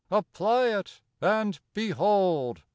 Apply it and behold!